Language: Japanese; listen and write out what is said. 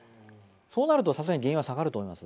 そうなると、さすがに原油は下がると思います。